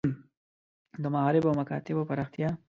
د معارف او مکاتیبو پراختیا.